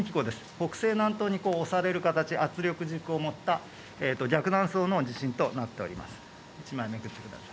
北西、南東に押される形、圧力軸を持った逆断層の地震となっています。